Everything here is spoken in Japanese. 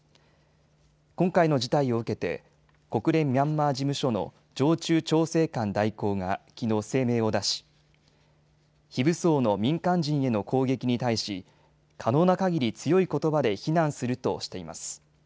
今回の事態を受けて国連ミャンマー事務所の常駐調整官代行がきのう声明を出し、非武装の民間人への攻撃に対し可能なかぎり強いことばで非難するとしています。